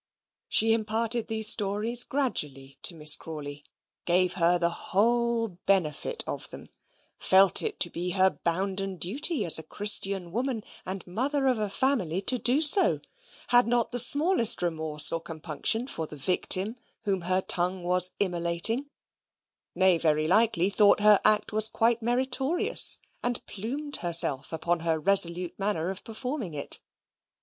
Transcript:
She imparted these stories gradually to Miss Crawley; gave her the whole benefit of them; felt it to be her bounden duty as a Christian woman and mother of a family to do so; had not the smallest remorse or compunction for the victim whom her tongue was immolating; nay, very likely thought her act was quite meritorious, and plumed herself upon her resolute manner of performing it.